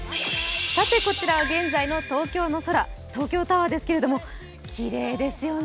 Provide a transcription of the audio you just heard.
こちらは現在の東京の空、東京タワーですけれども、きれいですよね